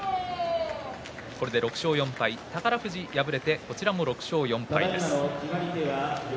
これで６勝４敗宝富士、敗れて６勝４敗です。